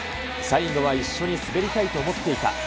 最後は一緒に滑りたいと思っていた。